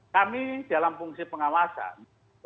kami dalam fungsi pengawasan